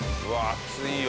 熱いよ